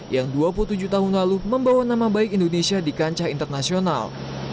yang dua puluh tujuh tahun lalu membawa nama baik indonesia di kancah internasional